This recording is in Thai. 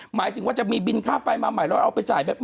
หมายถึงว่าจะมีบินค่าไฟมาหมายถึงเราเอาไปจ่ายแบบนี้